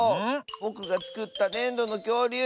ぼくがつくったねんどのきょうりゅう。